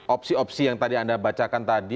opsi opsi yang tadi anda bacakan tadi